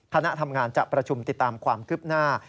คณะทำงานจะประชุมติดตามความคืบหน้า